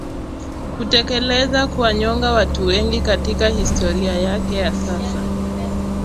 kutekeleza kuwanyonga watu wengi katika historia yake ya sasa